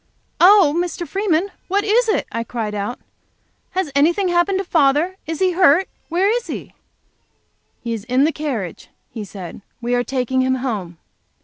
"Oh! Mr. Freeman, what is it?" I cried out. "Has anything happened to father? Is he hurt? Where is he?" "He is in the carriage," he said. "We are taking him home.